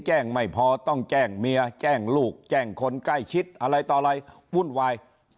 ไม่พอต้องแจ้งเมียแจ้งลูกแจ้งคนใกล้ชิดอะไรต่ออะไรวุ่นวาย